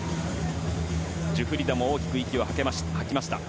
ジュフリダも大きく息を吐きました。